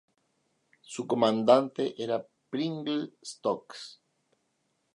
Su comandante era Pringle Stokes.